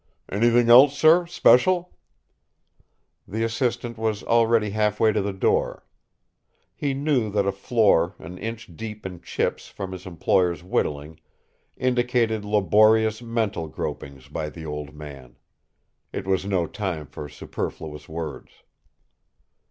"Anything else, sir special?" The assistant was already half way to the door. He knew that a floor an inch deep in chips from his employer's whittling indicated laborious mental gropings by the old man. It was no time for superfluous words.